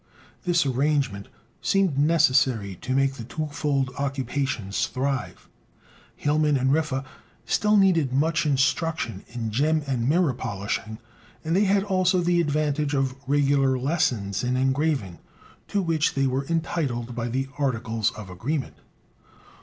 This arrangement seemed necessary to make the twofold occupations thrive. Hielman and Riffe still needed much instruction in gem and mirror polishing, and they had also the advantage of regular lessons in engraving, to which they were entitled by the articles of agreement.